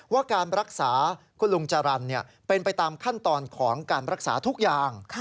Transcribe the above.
ว่าการรักษาคุณลุงจรรย์เป็นไปตามขั้นตอนของการรักษาทุกอย่าง